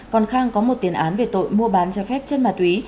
còn khang có một tiền án về tội mua bán trái phép chân ma túy